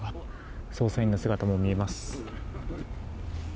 捜査員の姿も見えます。